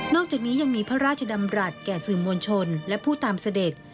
อกจากนี้ยังมีพระราชดำรัฐแก่สื่อมวลชนและผู้ตามเสด็จ